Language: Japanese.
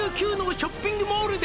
「ショッピングモールで」